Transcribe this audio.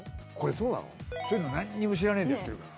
そういうの何にも知らないでやってるから。